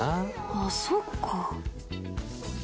ああそっか。